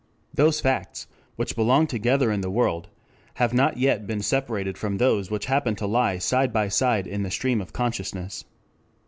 Those facts which belong together in the world have not yet been separated from those which happen to lie side by side in the stream of consciousness.